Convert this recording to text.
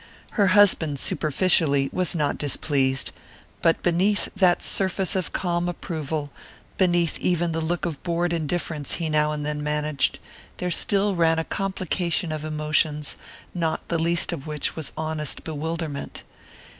Her husband, superficially, was not displeased. But beneath that surface of calm approval beneath even the look of bored indifference he now and then managed there still ran a complication of emotions, not the least of which was honest bewilderment.